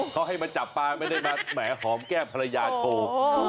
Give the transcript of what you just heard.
เขาให้มาจับปลาไม่ได้มาแหมหอมแก้มภรรยาโชว์